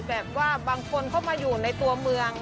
แบบว่าบางคนเข้ามาอยู่ในตัวเมือง